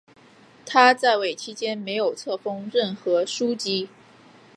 他在位期间没有册封任何枢机。